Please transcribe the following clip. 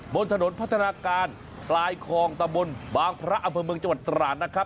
บนถนนภัทราการภายคลองตะบนบางพระอำพรภเมืองตราดนะครับ